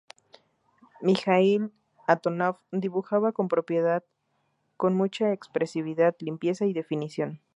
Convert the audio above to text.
Mijaíl Antónov dibujaba con propiedad, con mucha expresividad, limpieza y definición.